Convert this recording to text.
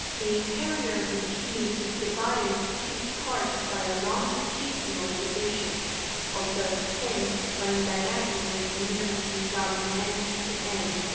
The interior of the tube is divided into two parts by a longitudinal divi sion, also of tin, running diagonally nearly from end to end.